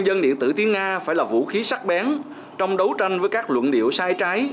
dân điện tử tiếng nga phải là vũ khí sắc bén trong đấu tranh với các luận điệu sai trái